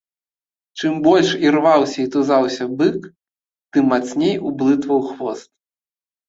Чым больш ірваўся і тузаўся бык, тым мацней ублытваў хвост.